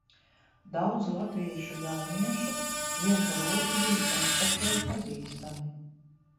Daudz latviešu jauniešu viens ar otru bija savstarpēji pazīstami.